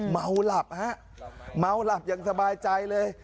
เมาหลับฮะเมาหลับอย่างสบายใจเลย